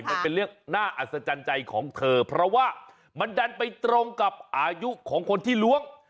มันเป็นเรื่องน่าอัศจรรย์ใจของเธอเพราะว่ามันดันไปตรงกับอายุของคนที่ล้วง